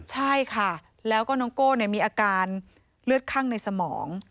ใช่ค่ะแล้วก็น้องโก้มีอาการเลือดคั่งในสมอง